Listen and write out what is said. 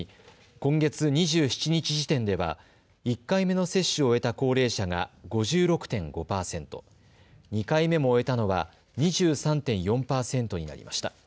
今月２７日時点では１回目の接種を終えた高齢者が５６．５％、２回目も終えたのは２３．４％になりました。